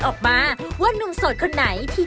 เหตุผลอะไรครับถึงได้ตัดคุณเต้ลไป